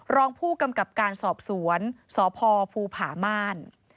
รองผู้กำกับการสอบสวนสพภูผาม่าน